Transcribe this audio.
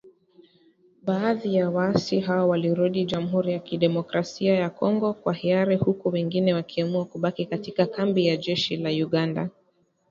Baadhi ya waasi hao walirudi Jamhuri ya Kidemokrasia ya Kongo kwa hiari huku wengine wakiamua kubaki katika kambi ya jeshi la Uganda